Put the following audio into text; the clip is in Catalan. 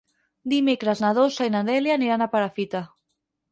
Dimecres na Dolça i na Dèlia aniran a Perafita.